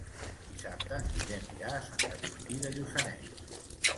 Dissabte en Guillem irà a Sant Agustí de Lluçanès.